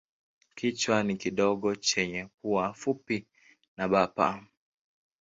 Kichwa ni kidogo chenye pua fupi na bapa.